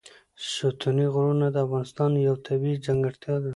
ستوني غرونه د افغانستان یوه طبیعي ځانګړتیا ده.